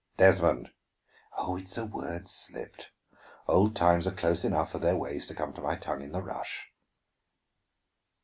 "Desmond!" "Oh, it's a word slipped! Old times are close enough for their ways to come to my tongue in the rush."